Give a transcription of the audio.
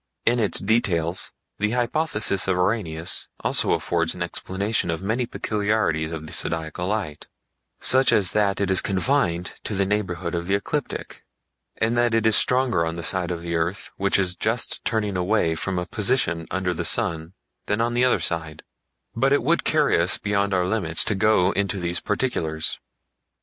In its details the hypothesis of Arrhenius also affords an explanation of many peculiarities of the Zodiacal Light, such as that it is confined to the neighborhood of the ecliptic, and that it is stronger on the side of the earth which is just turning away from a position under the sun than on the other side; but it would carry us beyond our limits to go into these particulars.